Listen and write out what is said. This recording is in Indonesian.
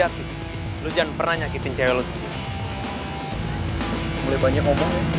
aku udah kecewa sama kamu